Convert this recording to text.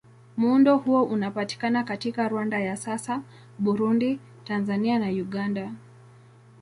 Muundo huo unapatikana katika Rwanda ya sasa, Burundi, Tanzania na Uganda.